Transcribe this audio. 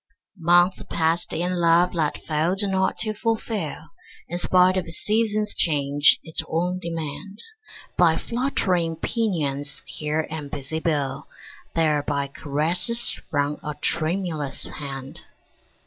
Months passed in love that failed not to fulfil, In spite of season's change, its own demand, By fluttering pinions here and busy bill; There by caresses from a tremulous hand.